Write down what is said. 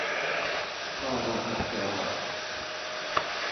Mauá da Serra